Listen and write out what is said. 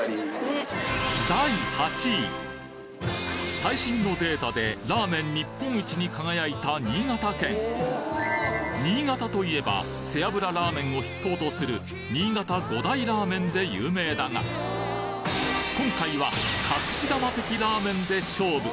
最新のデータでラーメン日本一に輝いた新潟県新潟といえば背脂ラーメンを筆頭とする新潟五大ラーメンで有名だが今回は隠し球的ラーメンで勝負！